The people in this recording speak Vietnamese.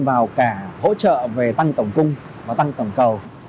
vào cả hỗ trợ về tăng tổng cung và tăng tổng cầu